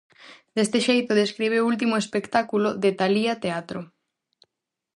Deste xeito describe o último espectáculo de Talía Teatro.